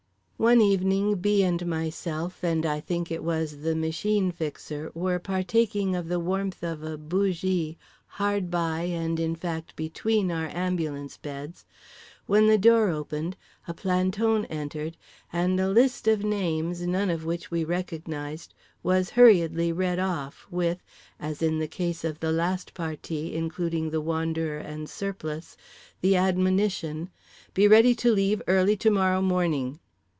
One evening B. and myself and, I think it was the Machine Fixer, were partaking of the warmth of a bougie hard by and, in fact, between our ambulance beds, when the door opened, a planton entered, and a list of names (none of which we recognized) was hurriedly read off with (as in the case of the last partis, including The Wanderer and Surplice) the admonition: "Be ready to leave early to morrow morning."